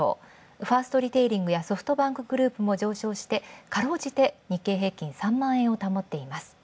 ファーストリテイリングやソフトバンクグループも上昇してかろうじて日経平均株価、３万円を保っています。